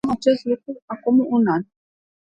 Discutam acest lucru acum un an.